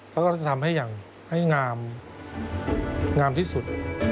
แล้วก็จะทำให้อย่างงามอย่างงามที่สุด